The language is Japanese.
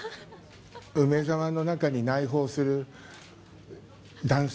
梅澤の中に内包する男性